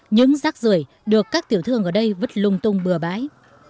những rác rưỡi được các tiểu thương ở đây vứt lung tung bừa bãi